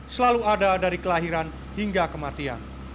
selalu ada dari kelahiran hingga kematian